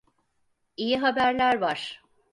İyi haberler var.